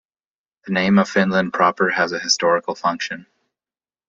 The name of Finland Proper has a historical function.